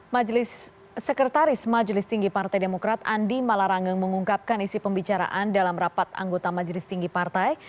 majelis sekretaris majelis tinggi partai demokrat andi malarangeng mengungkapkan isi pembicaraan dalam rapat anggota majelis tinggi partai